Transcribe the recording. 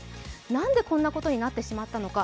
なんでこんなことになってしまったのか。